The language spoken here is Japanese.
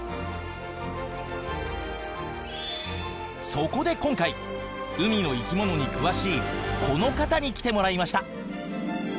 そこで今回海の生き物に詳しいこの方に来てもらいました。